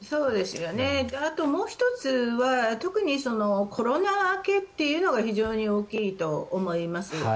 あと、もう１つは特にコロナ明けっていうのが非常に大きいと思います。